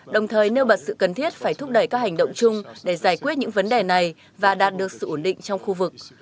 đồng thời nêu bật sự cần thiết phải thúc đẩy các hành động chung để giải quyết những vấn đề này và đạt được sự ổn định trong khu vực